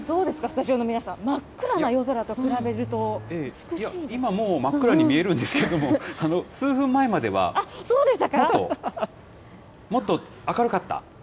スタジオの皆さん、真っ暗な夜空と比べると美し今、もう、真っ暗に見えるんですけれども、数分前まではもっと明るかった？